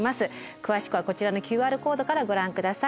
詳しくはこちらのＱＲコードからご覧下さい。